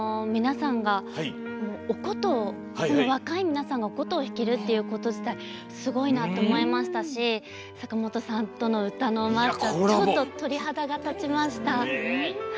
お琴を若い皆さんがお琴を弾けるっていうこと自体すごいなって思いましたし坂本さんとの歌ちょっと鳥肌が立ちました。